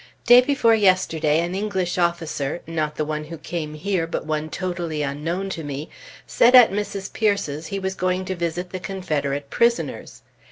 Day before yesterday an English officer, not the one who came here, but one totally unknown to me, said at Mrs. Peirce's he was going to visit the Confederate prisoners.